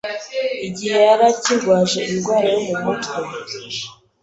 igihe yari akirwaje indwara yo mu mutwe